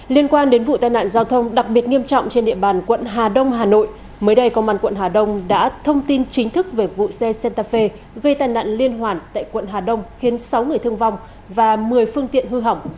liên quan đến vụ tai nạn giao thông đặc biệt nghiêm trọng trên địa bàn quận hà đông hà nội mới đây công an quận hà đông đã thông tin chính thức về vụ xe centa gây tai nạn liên hoàn tại quận hà đông khiến sáu người thương vong và một mươi phương tiện hư hỏng